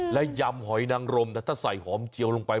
และยำหอยนังรมถ้าใส่หอมเจียวลงไป